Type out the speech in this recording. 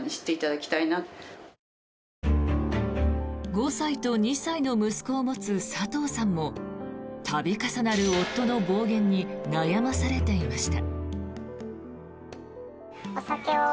５歳と２歳の息子を持つ佐藤さんも度重なる夫の暴言に悩まされていました。